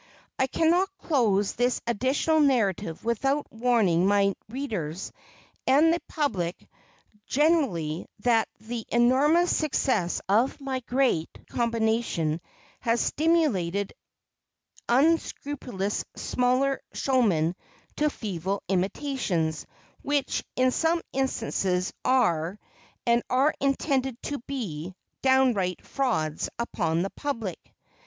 I cannot close this additional narrative without warning my readers, and the public generally, that the enormous success of my great combination has stimulated unscrupulous smaller showmen to feeble imitations, which, in some instances, are, and are intended to be, downright frauds upon the public.